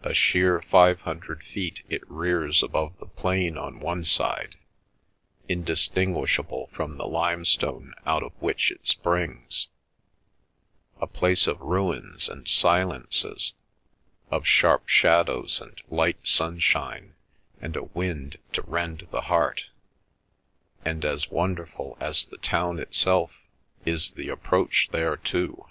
A sheer five hundred feet it rears above the plain on one side, indistinguishable from the limestone out of which it springs — a place of ruins and silences, of sharp shadows and light sunshine and a wind to rend the heart; and as wonderful as the town itself is the approach thereto.